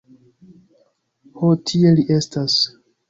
Ho tie li estas.